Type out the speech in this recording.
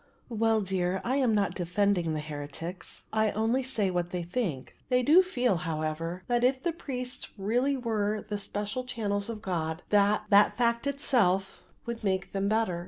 "Well, dear, I am not defending the heretics. I only say what they think. They do feel, however, that if the priests really were the special channels of God that that fact itself would make them better.